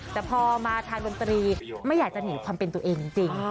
แต่พอมาทานดนตรีไม่อยากจะหนีความเป็นตัวเองจริง